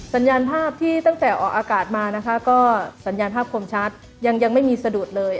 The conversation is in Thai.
สัญญาณภาพที่ตั้งแต่ออกอากาศมานะคะก็สัญญาณภาพคมชัดยังไม่มีสะดุดเลย